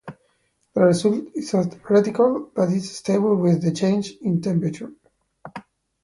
The result is a reticle that is stable with the change in temperature.